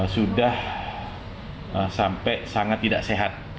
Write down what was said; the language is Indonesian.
sudah sampai sangat tidak sehat